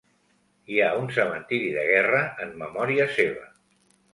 Hi ha un cementiri de guerra en memòria seva.